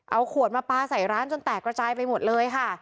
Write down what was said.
เอาขวดมาปลาใส่ร้านจนแตกระจายไปหมดเลยค่ะ